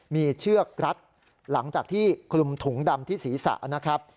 มีเชือกรัดหลังจากที่คลุมถุงดำที่ศรีษะ